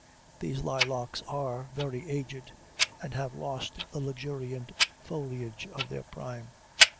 These lilacs are very aged, and have lost the luxuriant foliage of their prime.